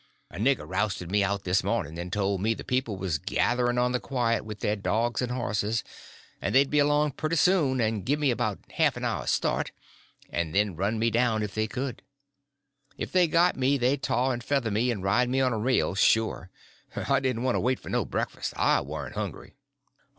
A nigger rousted me out this mornin', and told me the people was getherin' on the quiet with their dogs and horses, and they'd be along pretty soon and give me 'bout half an hour's start, and then run me down if they could; and if they got me they'd tar and feather me and ride me on a rail, sure. I didn't wait for no breakfast—I warn't hungry."